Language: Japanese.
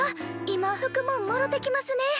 今ふくもんもろてきますね。